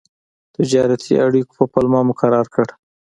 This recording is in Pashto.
تجارتي اړیکو په پلمه مقرر کړ.